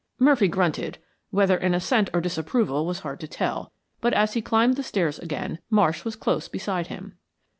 Murphy grunted, whether in assent or disapproval was hard to tell, but as he climbed the stairs again, Marsh was close beside him.